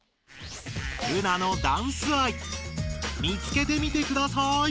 ルナのダンス愛見つけてみてください。